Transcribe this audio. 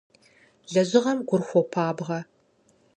Лэжьыгъэм гур хуопабгъэ.